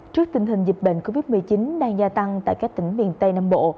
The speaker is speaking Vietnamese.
trước tình hình dịch bệnh covid một mươi chín đang gia tăng tại các tỉnh miền tây nam bộ